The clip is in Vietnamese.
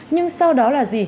nhưng sau đó là gì